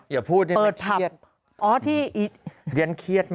อย่าพูดเรียนเครียด